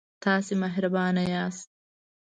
تاسې مهربانه یاست.